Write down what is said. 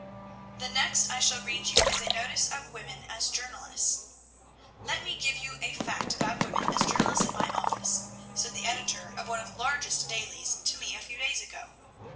"The next I shall read you is a notice of women as journalists: "'Let me give you a fact about women as journalists in my own office,' said the editor of one of the largest dailies to me a few days ago.